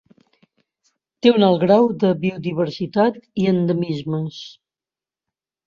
Té un alt grau de biodiversitat i endemismes.